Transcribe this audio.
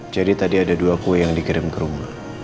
tadi ada dua kue yang dikirim ke rumah